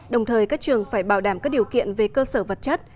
đồng thời các trường phải bảo đảm các điều kiện về cơ sở vật chất